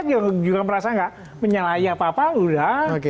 dia juga merasa nggak menyalahi apa apa udah